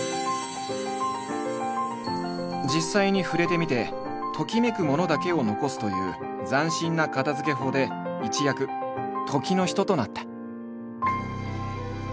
実際に触れてみて「ときめく物」だけを残すという斬新な片づけ法で一躍時の人となった。